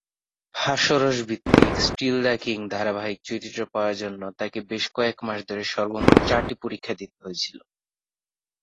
হাস্যরস ভিত্তিক "Still the King" ধারাবাহিকে চরিত্র পাওয়ার জন্য তাকে বেশ কয়েক মাস ধরে সর্বমোট চারটি পরীক্ষা দিতে হয়েছিল।